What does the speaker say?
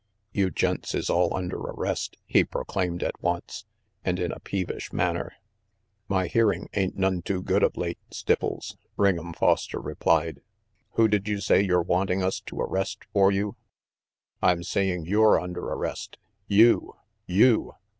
"You gents is all under arrest," he proclaimed at once, and in a peevish manner. "My hearing ain't none too good of late, Stipples," Ring'em Foster replied. "Who did you say you're wanting us to arrest for you?" "I'm saying you're under arrest. You you!"